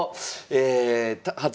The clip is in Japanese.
え！